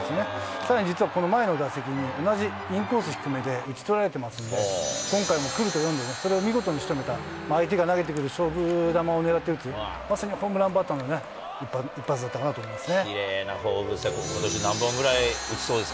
さらに実は、この前の打席にも同じインコース低めで打ち取られてますんで、今回もくると読んで、それを見事にしとめた、相手が投げてくる勝負球を狙って打つ、まさにホームランバッターの一発だったかなときれいな放物線、ことし何本ぐらい打ちそうですか。